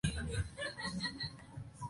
Ella es la segunda más grande de cinco hijos.